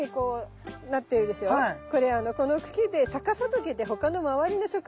これこの茎で逆さトゲで他の周りの植物